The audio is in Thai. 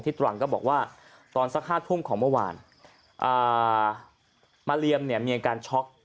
ตรังก็บอกว่าตอนสัก๕ทุ่มของเมื่อวานมาเรียมเนี่ยมีอาการช็อก